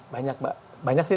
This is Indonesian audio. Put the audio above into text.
banyak banyak sih